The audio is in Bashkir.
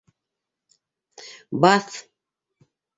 Баҫ!